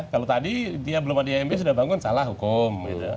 kalau tadi dia belum ada imb sudah bangun salah hukum